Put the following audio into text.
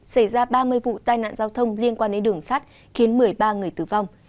xảy ra ba mươi vụ tai nạn giao thông liên quan đến đường sắt khiến một mươi ba người tử vong